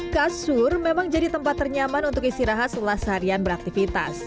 kasur memang jadi tempat ternyaman untuk istirahat setelah seharian beraktifitas